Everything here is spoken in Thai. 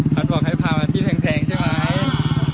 บอกให้พามาที่แทงใช่ไหม